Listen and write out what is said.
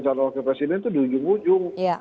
calon oke presiden tuh di ujung ujung